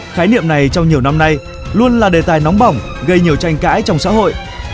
khái niệm này trong nhiều năm nay luôn là đề tài nóng bỏng gây nhiều tranh cãi trong xã hội